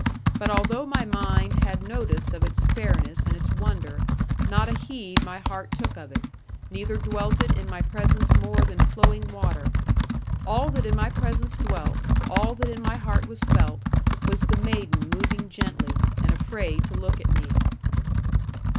But although my mind had notice of its fairness and its wonder, not a heed my heart took of it, neither dwelt it in my presence more than flowing water. All that in my presence dwelt, all that in my heart was felt, was the maiden moving gently, and afraid to look at me.